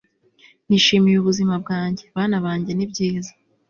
nishimiye ubuzima bwanjye, bana banjye nibyiza